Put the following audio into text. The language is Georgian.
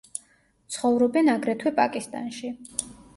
ცხოვრობენ აგრეთვე პაკისტანში.